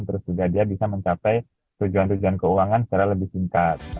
terus juga dia bisa mencapai tujuan tujuan keuangan secara lebih singkat